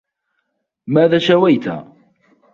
ماذا شويت؟